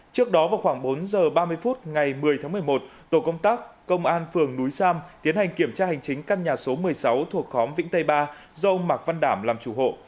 trước đó vào khoảng bốn h ba mươi phút ngày một mươi tháng một mươi một tổ công tác công an phường núi sam tiến hành kiểm tra hành chính căn nhà số một mươi sáu thuộc khóm vĩnh tây ba do ông mạc văn đảm làm chủ hộ